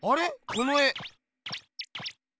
この絵。